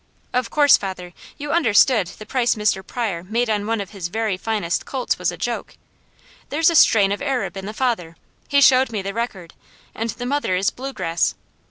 Of course, father, you understood the price Mr. Pryor made on one of his very finest colts was a joke. There's a strain of Arab in the father he showed me the record and the mother is bluegrass.